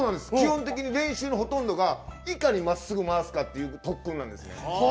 基本的に練習のほとんどがいかにまっすぐ回すかっていう特訓なんですね。